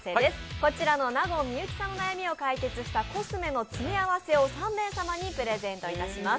こちらの納言・幸さんの悩みを解決したコスメの詰め合わせを３名様にプレゼントします。